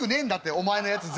お前のやつ全部。